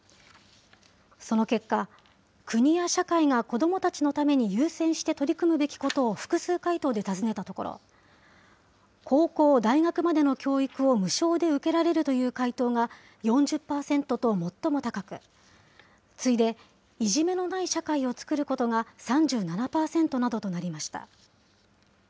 その結果、国や社会が子どもたちのために優先して取り組むべきことを複数回答で尋ねたところ、高校・大学までの教育を無償で受けられるという回答が４０％と最も高く、次いで、いじめのない社会を作ることが３７％などとなりました。